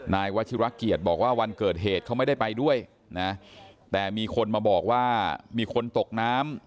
นายวัชิระเกียจบอกว่าวันเกิดเหตุเขาไม่ได้ไปด้วยนะแต่มีคนมาบอกว่ามีคนตกน้ำ